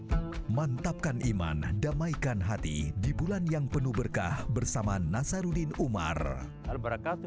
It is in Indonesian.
mantapkan iman damaikan hati di bulan yang penuh berkah bersama nasaruddin umar